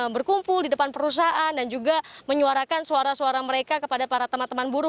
berkumpul di depan perusahaan dan juga menyuarakan suara suara mereka kepada para teman teman buruh